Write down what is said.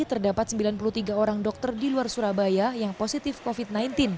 terdapat sembilan puluh tiga orang dokter di luar surabaya yang positif covid sembilan belas